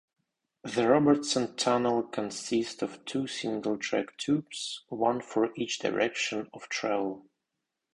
The Robertson Tunnel consists of two single-track tubes, one for each direction of travel.